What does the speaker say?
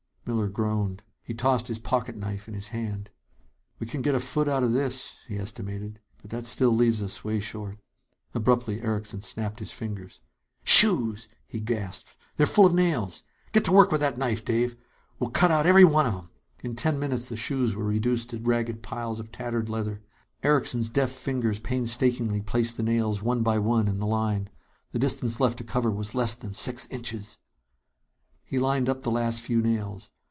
Miller groaned. He tossed his pocket knife in his hand. "We can get a foot out of this," he estimated. "But that still leaves us way short." Abruptly, Erickson snapped his fingers. "Shoes!" he gasped. "They're full of nails. Get to work with that knife, Dave. We'll cut out every one of 'em!" In ten minutes, the shoes were reduced to ragged piles of tattered leather. Erickson's deft fingers painstakingly placed the nails, one by one, in the line. The distance left to cover was less than six inches! He lined up the last few nails.